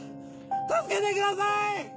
助けてください！